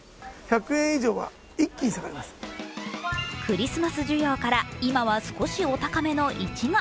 クリスマス需要から今は少しお高めのいちご。